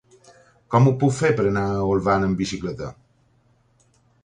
Com ho puc fer per anar a Olvan amb bicicleta?